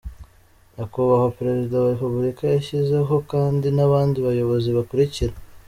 Nyakubahwa Perezida wa Repubulika yashyizeho kandi n’abandi Bayobozi bakurikira: